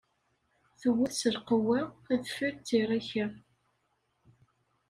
Tewwet s lqewwa, adfel d tiṛika.